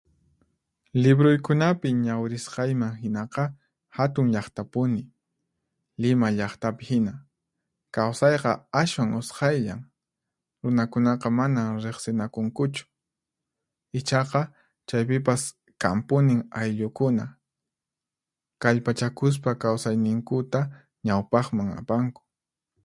Libruykunapi ñawirisqayman hinaqa, hatun llaqtakunapi, Lima llaqtapi hina, kawsayqa ashwan usqhayllan, runakunaqa manan riqsinakunkuchu. Ichaqa, chaypipas kanpunin ayllukuna, kallpachakuspa kawsayninkuta ñawpaqman apanku.